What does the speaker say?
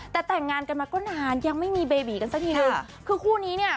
แต่แต่งงานกันมาก็นานยังไม่มีเบบีกันสักทีนึงคือคู่นี้เนี่ย